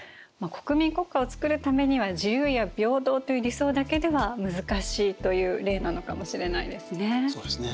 国民国家を作るためには自由や平等という理想だけでは難しいという例なのかもしれないですね。